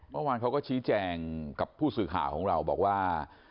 เมื่อวานเขาก็ชี้แจงกับผู้สื่อข่าวของเราบอกว่า